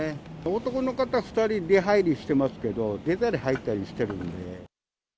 男の方２人出入りしてますけど、出たり入ったりしてるんで。